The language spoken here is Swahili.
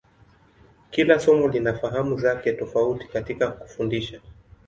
Kila somo lina fahamu zake tofauti katika kufundisha.